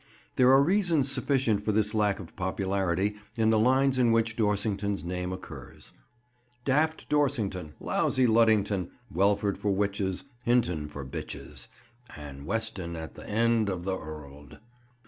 There are reasons sufficient for this lack of popularity, in the lines in which Dorsington's name occurs— "Daft Dorsington, Lousy Luddington, Welford for witches, Hinton for bitches, An' Weston at th' end of th' 'orld."